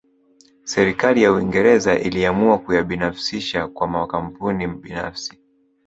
Serikali ya Uingereza iliamua kuyabinafsisha kwa makampuni binafsi